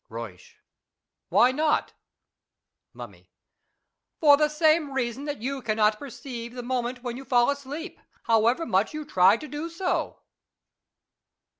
Buysch. Why not ? Micmmy. For the same reason that you cannot per ceive the moment when you fall asleep, however much you try to do so.